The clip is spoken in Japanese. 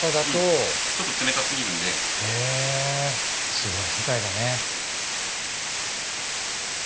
すごい世界だね。